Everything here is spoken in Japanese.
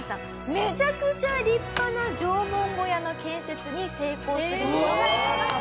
めちゃくちゃ立派な縄文小屋の建設に成功する事ができました。